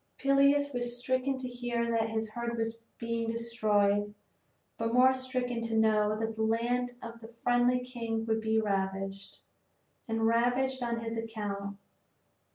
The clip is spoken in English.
Peleus was stricken to hear that his herd was being destroyed, but more stricken to know that the land of a friendly king would be ravaged, and ravaged on his account.